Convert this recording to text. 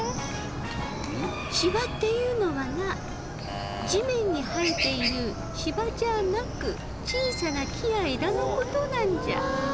芝っていうのはな地面に生えている芝じゃなく小さな木や枝のことなんじゃ。